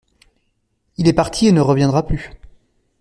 Il est parti et ne reviendra plus.